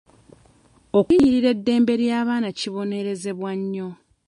Okulinnyirira eddembe ly'abaana kibonerezebwa nnyo.